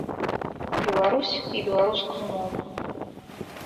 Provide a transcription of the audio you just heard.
Беларусь і беларускую мову.